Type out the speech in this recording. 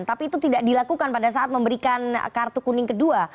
tapi itu tidak dilakukan pada saat memberikan kartu kuning kedua